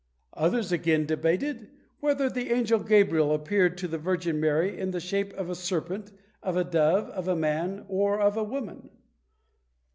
Others again debated Whether the angel Gabriel appeared to the Virgin Mary in the shape of a serpent, of a dove, of a man, or of a woman?